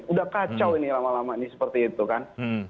udah kacau ini lama lama ini seperti itu kan